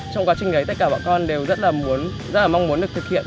trong quá trình đấy tất cả bọn con đều rất là muốn rất là mong muốn được thực hiện